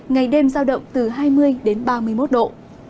ngày đêm giao động từ hai mươi đến ba mươi một độ